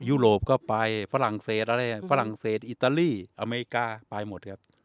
ยุโรปก็ไปฝรั่งเศสอะไรฝรั่งเศสอิตาลีอเมริกาไปหมดครับ